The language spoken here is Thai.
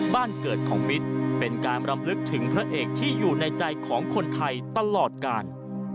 บ้านเกิดของมิตรเป็นการรำลึกถึงพระเอกที่อยู่ในใจของคนไทยตลอดกาล